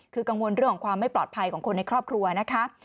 คือกังวลเรื่องของความไม่ปลอดภัยของคนในครอบครัวนะคะ